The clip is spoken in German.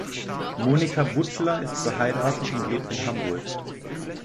Monika Buttler ist verheiratet und lebt in Hamburg.